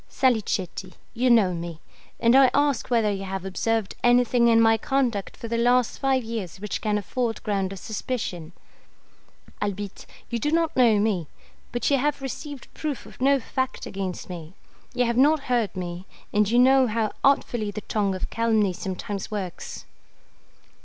Salicetti, you know me; and I ask whether you have observed anything in my conduct for the last five years which can afford ground of suspicion? Albitte, you do not know me; but you have received proof of no fact against me; you have not heard me, and you know how artfully the tongue of calumny sometimes works.